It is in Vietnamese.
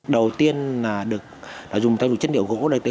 đầu tiên là dùng thay đổi chất liệu gỗ